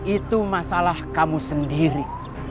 itu masalah kamu sendiri